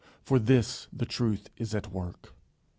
For this The Truth is at work.